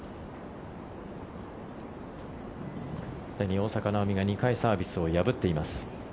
すでに大坂なおみが２回サービスを破っています。